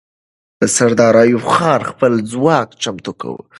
سردار ایوب خان خپل ځواک چمتو کاوه.